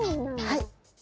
はい。